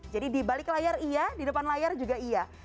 jadi di balik layar iya di depan layar juga iya